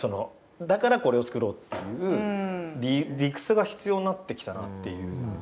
だからこれを作ろうっていう理屈が必要になってきたなっていうのはあって。